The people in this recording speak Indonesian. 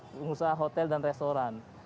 pengusaha hotel dan restoran